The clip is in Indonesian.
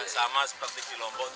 sama seperti di lombok